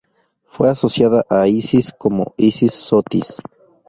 Fue asociada a Isis como Isis-Sotis.